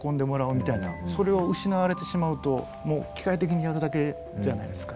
それを失われてしまうともう機械的にやるだけじゃないですか。